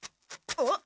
あっ？